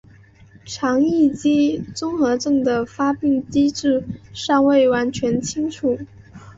肠易激综合征的发病机制尚未完全清楚。